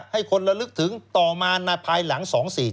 ให้คนละลึกถึงต่อมาภายหลัง๒๔๗